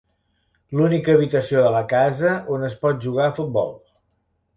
L'única habitació de la casa on es pot jugar a futbol.